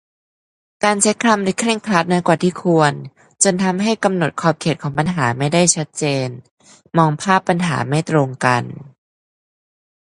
การใช้คำโดยเคร่งครัดน้อยกว่าที่ควร จนทำให้กำหนดขอบเขตของปัญหาไม่ได้ชัดเจน-มองภาพปัญหาไม่ตรงกัน